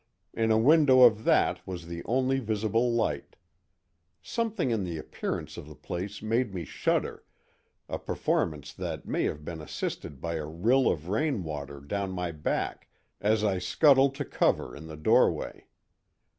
In a window of that was the only visible light. Something in the appearance of the place made me shudder, a performance that may have been assisted by a rill of rain water down my back as I scuttled to cover in the doorway.